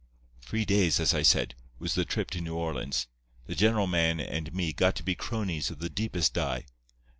"Three days, as I said, was the trip to New Orleans. The general man and me got to be cronies of the deepest dye.